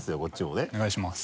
お願いします。